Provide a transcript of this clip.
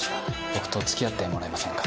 僕と付き合ってもらえませんか？